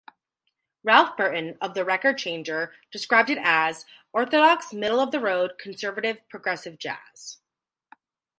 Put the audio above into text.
Ralph Berton of "The Record Changer" described it as "orthodox, middle-of-the-road conservative progressive jazz.